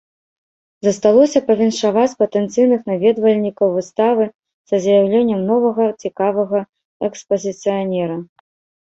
Засталося павіншаваць патэнцыйных наведвальнікаў выставы са з'яўленнем новага цікавага экспазіцыянера.